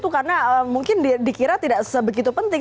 karena mungkin dikira tidak sebegitu penting